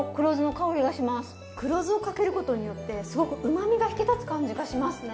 黒酢をかけることによってすごくうまみが引き立つ感じがしますね。